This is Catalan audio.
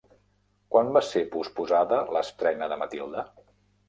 Quan va ser posposada l'estrena de Matilde?